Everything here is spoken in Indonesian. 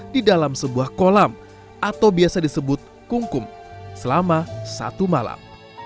di dalam sebuah kolam atau biasa disebut kumkum selama satu malam